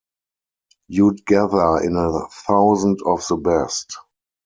You'd gather in a thousand of the best.